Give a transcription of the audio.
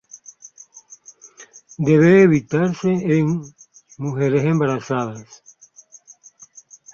Debe evitarse en mujeres embarazadas.